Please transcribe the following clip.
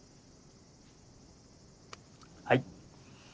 はい。